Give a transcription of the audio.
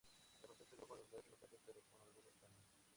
La función se retomó unos meses más tarde, pero con algunos cambios.